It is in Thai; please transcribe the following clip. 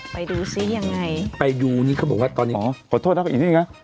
ไปดูซิยังไงไปดูนี่เขาบอกว่าตอนนี้อ๋อขอโทษนะไปอีกนิดนึงนะ